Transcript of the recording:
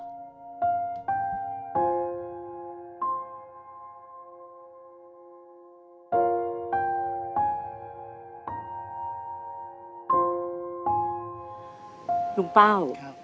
มีลูกทั้งคู่ย่อมเข้าใจดีครับ